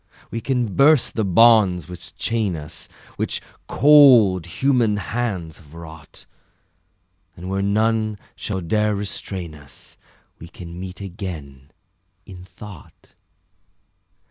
We can burst the bonds which chain us, Which cold human hands have wrought, And where none shall dare restrain us We can meet again, in thought.